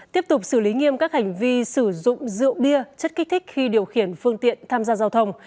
tiếp tục xử lý nghiêm các hành vi sử dụng rượu bia chất kích thích khi điều khiển phương tiện tham gia giao thông